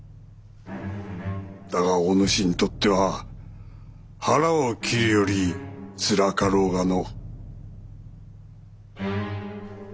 だがお主にとっては腹を切るよりつらかろうがの。